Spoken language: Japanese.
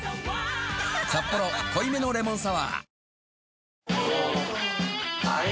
「サッポロ濃いめのレモンサワー」